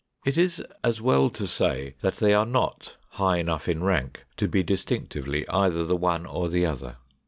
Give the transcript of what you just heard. It is as well to say that they are not high enough in rank to be distinctively either the one or the other.